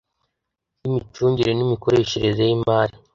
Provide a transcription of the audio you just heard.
y imicungire n imikoreshereze y imari